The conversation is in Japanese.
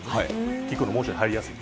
キックのモーションに入りやすい。